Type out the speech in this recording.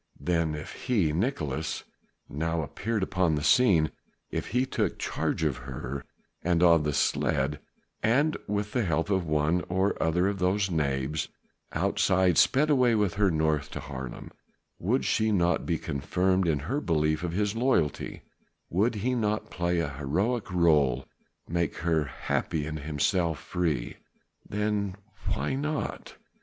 Then if he, Nicolaes, now appeared upon the scene if he took charge of her and of the sledge, and with the help of one or other of those knaves outside sped away with her north to Haarlem, would she not be confirmed in her belief in his loyalty, would he not play a heroic rôle, make her happy and himself free? "Then why not?"